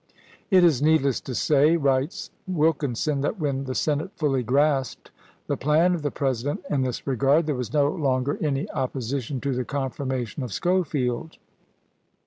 "It is needless to say," writes Wilkinson, "that when the Senate fully gi asped the plan of the President in this regard there was no longer any opposition to the confirmation of Schofield."